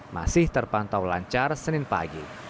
masih terpantau lancar senin pagi